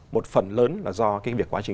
một phần lớn là do việc quá trình